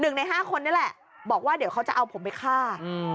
หนึ่งในห้าคนนี่แหละบอกว่าเดี๋ยวเขาจะเอาผมไปฆ่า